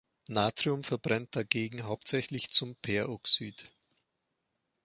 Natrium verbrennt dagegen hauptsächlich zum Peroxid.